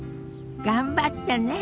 頑張ってね。